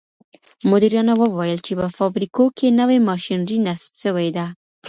مديرانو وويل چي په فابريکو کي نوي ماشينري نصب سوي ده.